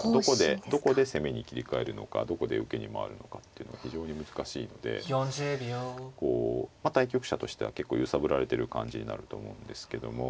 どこで攻めに切り替えるのかどこで受けに回るのかっていうのが非常に難しいので対局者としては結構揺さぶられてる感じになると思うんですけども。